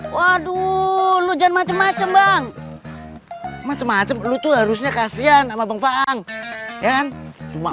waduh lu jangan macem macem bang macem macem lu tuh harusnya kasihan sama bang fahang yang cuma